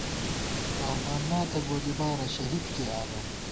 رحمان نا تہ گودیبارہ، شہید کېئی آنون